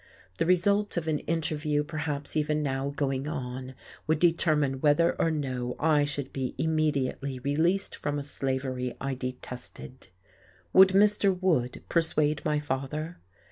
The result of an interview perhaps even now going on would determine whether or no I should be immediately released from a slavery I detested. Would Mr. Wood persuade my father?